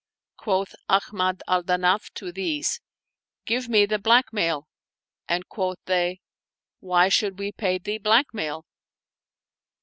Quoth Ahmad al Danaf to these, " Give me the blackmail," and quoth they, " Why should we pay thee blackmail?"